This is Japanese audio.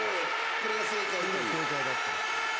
これが正解だったらしいんだよ。